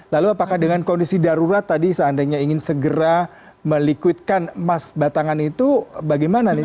lalu apakah dengan kondisi darurat tadi seandainya ingin segera melikutkan emas batangan itu bagaimana nih